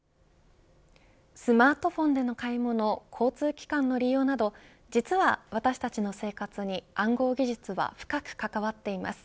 スマートフォンでの買い物交通機関の利用など、実は私たちの生活に暗号技術は深く関わっています。